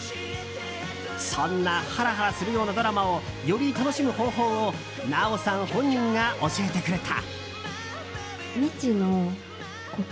そんなハラハラするようなドラマをより楽しむ方法を奈緒さん本人が教えてくれた。